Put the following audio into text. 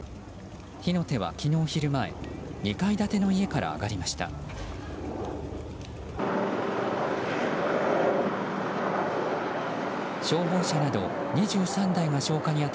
火の手は昨日昼前２階建ての家から上がりました。